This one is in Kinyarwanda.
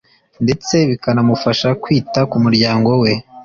ndetse bikanamufasha kwita ku muryango we